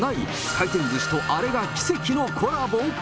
回転ずしとあれが奇跡のコラボ。